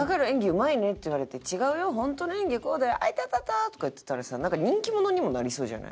うまいね」って言われて「違うよ本当の演技はこうだよ。アイタタター」とか言ってたらさなんか人気者にもなりそうじゃない？